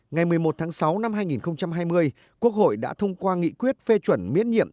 ngày một mươi một tháng sáu năm hai nghìn hai mươi quốc hội đã thông qua nghị quyết phê chuẩn miễn nhiệm